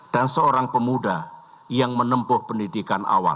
dan seorang pemuda yang menempuh pendidikan awal